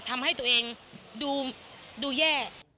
ทำให้ตัวเองดูแย่